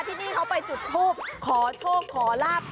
ที่นี่เขาไปจุดทูบขอโชคขอลาบ